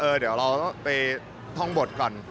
เออเดี๋ยวเราต้องไปท่องบทก่อน